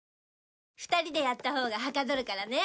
２人でやったほうがはかどるからね。